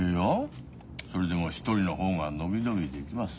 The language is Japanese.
それでも一人の方が伸び伸びできます。